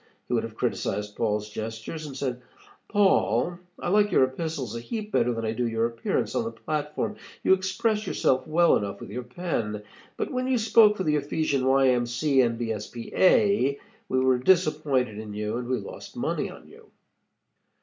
He would have criticized Paul's gestures, and said, 'Paul, I like your Epistles a heap better than I do your appearance on the platform. You express yourself well enough with your pen, but when you spoke for the Ephesian Y. M. C. A., we were disappointed in you and we lost money on you.'